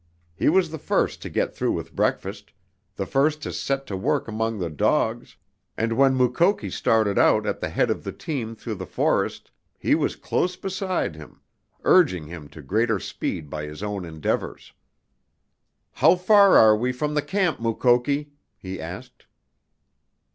He was the first to get through with breakfast, the first to set to work among the dogs, and when Mukoki started out at the head of the team through the forest he was close beside him, urging him to greater speed by his own endeavors. "How far are we from the camp, Mukoki?" he asked.